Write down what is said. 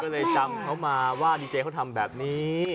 ก็เลยจำเขามาว่าดีเจเขาทำแบบนี้